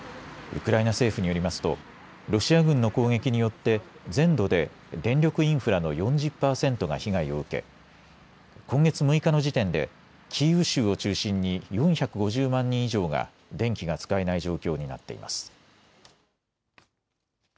ウクライナ政府によりますとロシア軍の攻撃によって全土で電力インフラの４０％が被害を受け、今月６日の時点でキーウ州を中心に４５０万人以上が電気が使えない状況になっています。